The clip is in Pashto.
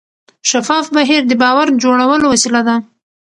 شفاف بهیر د باور جوړولو وسیله ده.